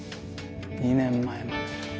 ２年前までは。